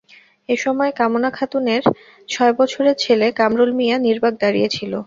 এ সময় কামনা খাতুনের ছয় বছরের ছেলে কামরুল মিয়া নির্বাক দাঁড়িয়ে ছিল।